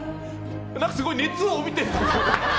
何か、すごい熱を帯びてる！